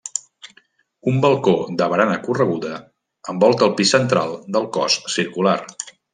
Un balcó de barana correguda envolta el pis central del cos circular.